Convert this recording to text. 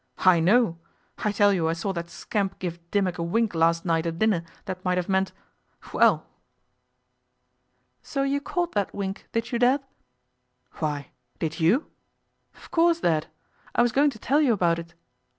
I know! I tell you I saw that scamp give Dimmock a wink last night at dinner that might have meant well!' 'So you caught that wink, did you, Dad?' 'Why, did you?' 'Of course, Dad. I was going to tell you about it.